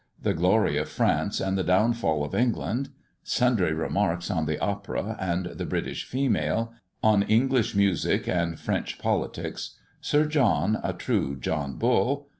THE GLORY OF FRANCE AND THE DOWNFALL OF ENGLAND. SUNDRY REMARKS ON THE OPERA AND THE BRITISH FEMALE; ON ENGLISH MUSIC AND FRENCH POLITICS. SIR JOHN A TRUE JOHN BULL.